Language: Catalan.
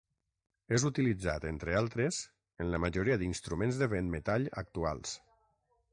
És utilitzat, entre altres, en la majoria d'instruments de vent metall actuals.